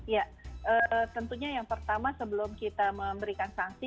ya tentunya yang pertama sebelum kita memberikan sanksi